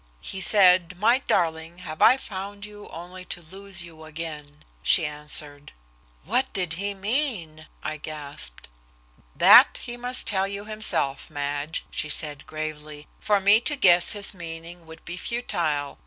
"He said, 'My darling, have I found you only to lose you again?'" she answered. "What did he mean?" I gasped. "That he must tell you himself, Madge," she said gravely. "For me to guess his meaning would be futile.